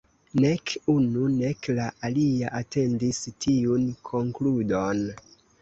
Nek unu, nek la alia atendis tiun konkludon.